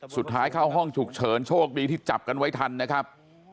สุดท้ายเข้าห้องฉุกเฉินโชคดีที่จับกันไว้ทันนะครับ